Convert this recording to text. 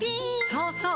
そうそう！